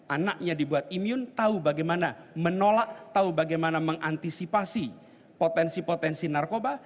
anaknya dibuat imun tahu bagaimana menolak tahu bagaimana mengantisipasi potensi potensi narkoba